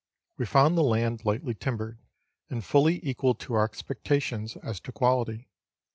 We found the laud lightly timbered, and fully equal to our expectations as to quality.